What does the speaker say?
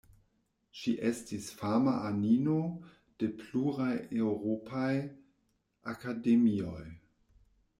Ŝi estis fama anino de pluraj eŭropaj akademioj.